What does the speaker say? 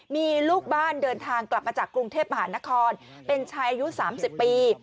มีลูกบ้านเดินทางกลับมาจากกรุงเทพมหานครเป็นชายอายุ๓๐ปี